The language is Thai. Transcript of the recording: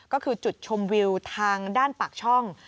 ก็คือจุดชมวิวทางด้านปากช่อง